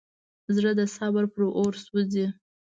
زړه د صبر په اور کې سوځي.